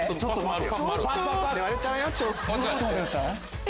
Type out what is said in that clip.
待ってください。